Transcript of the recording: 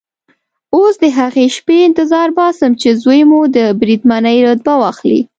اوس د هغې شېبې انتظار باسم چې زوی مو د بریدمنۍ رتبه واخلي.